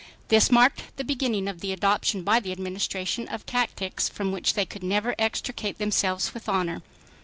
This marked the beginning of the adoption by the Administration of tactics from which they could never extricate themselves with honor.